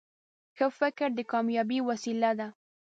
ښه فکر د کامیابۍ وسیله ده.